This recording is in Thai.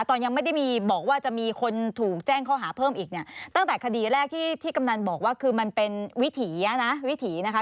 ตอนยังไม่ได้มีบอกว่าจะมีคนถูกแจ้งข้อหาเพิ่มอีกเนี่ยตั้งแต่คดีแรกที่ที่กำนันบอกว่าคือมันเป็นวิถีนะวิถีนะคะ